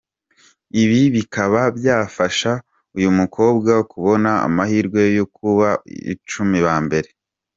Ibi bikaba byafasha uyu mukobwa kubona amahirwe yo kuba mu icumi ba mbere.